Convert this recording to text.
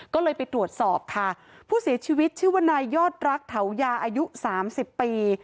ก็เลยไปตรวจสอบค่ะผู้เสียชีวิตชื่อว่านายยอดรักเถายาอายุสามสิบปี